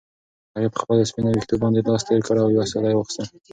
هغې په خپلو سپینو ویښتو باندې لاس تېر کړ او یوه ساه یې واخیسته.